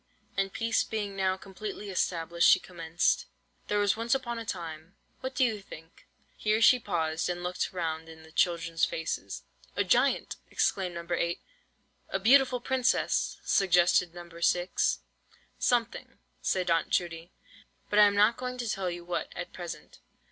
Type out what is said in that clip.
And peace being now completely established, she commenced: "There was once upon a time—what do you think?"—here she paused and looked round in the children's faces. "A giant!" exclaimed No. 8. "A beautiful princess!" suggested No. 6. "Something," said Aunt Judy, "but I am not going to tell you what at present.